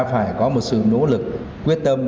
phải có một sự nỗ lực quyết tâm